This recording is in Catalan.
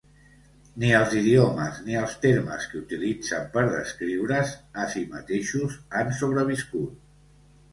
Ni els idiomes ni els termes que utilitzen per descriure's a si mateixos han sobreviscut.